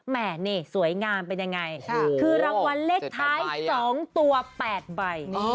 แม่นี่สวยงามเป็นยังไงคือรางวัลเลขท้าย๒ตัว๘ใบ